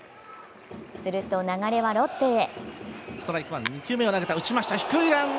すると流れはロッテへ。